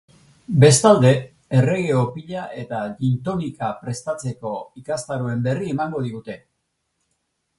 Bestalde, errege opila eta gin tonica prestatzeko ikastaroen berri emango digute.